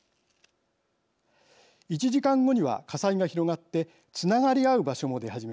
１時間後には火災が広がってつながり合う場所も出始めます。